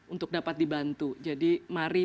untuk dapat dibantu jadi mari